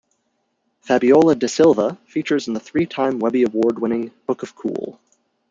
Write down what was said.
Fabiola da Silva features in the three-time Webby Award-winning Book of Cool.